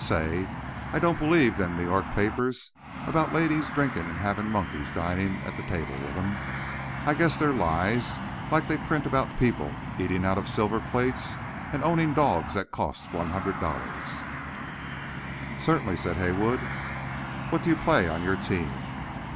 Say, I don't believe them New York papers about ladies drinkin' and havin' monkeys dinin' at the table with 'em. I guess they're lies, like they print about people eatin' out of silver plates, and ownin' dogs that cost $100." "Certainly," said Haywood. "What do you play on your team?"